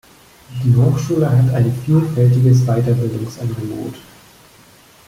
Die Hochschule hat ein vielfältiges Weiterbildungsangebot.